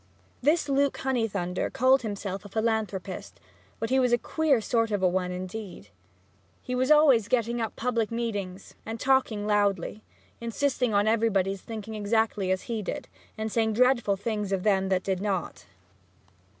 This Luke Honeythunder called himself a philanthropist, but he was a queer sort of one, indeed. He was always getting up public meetings and talking loudly, insisting on everybody's thinking exactly as he did, and saying dreadful things of them if they did not.